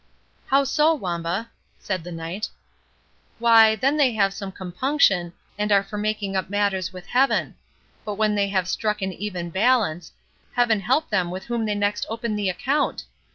"How so, Wamba?" said the Knight. "Why, then they have some compunction, and are for making up matters with Heaven. But when they have struck an even balance, Heaven help them with whom they next open the account!